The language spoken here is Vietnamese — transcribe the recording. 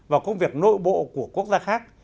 vào công việc nội bộ của quốc gia khác